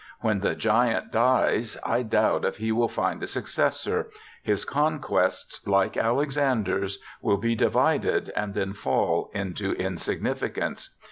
When the giant dies I doubt if he will find a successor — his conquests, hke Alexander's, will be divided and then fall into insignificance.